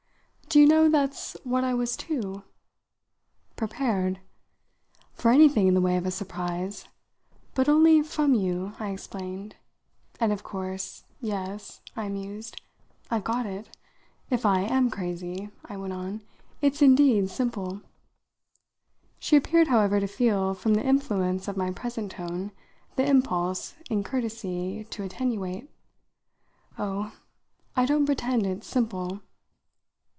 "Do you know that's what I was too?" "Prepared ?" "For anything in the way of a surprise. But only from you," I explained. "And of course yes," I mused, "I've got it. If I am crazy," I went on "it's indeed simple." She appeared, however, to feel, from the influence of my present tone, the impulse, in courtesy, to attenuate. "Oh, I don't pretend it's simple!"